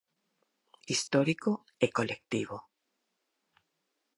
Histórico e colectivo.